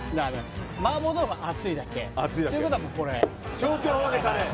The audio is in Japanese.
麻婆豆腐はということはもうこれ消去法でカレー